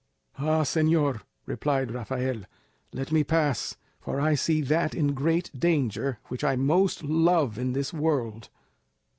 "Ah, señor!" replied Rafael, "let me pass, for I see that in great danger which I most love in this world."